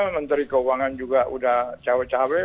menteri keuangan juga udah cewek cewek